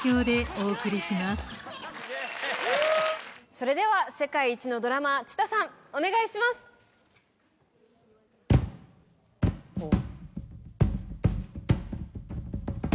それでは世界一のドラマー ＣＨＩＴＡＡ さんお願いします。・フゥ！